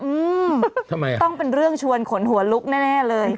อืมทำไมอ่ะต้องเป็นเรื่องชวนขนหัวลุกแน่เลย